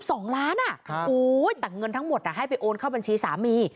๒ใบ๑๒ล้านแต่เงินทั้งหมดให้ไปโอนเข้าบัญชีสามี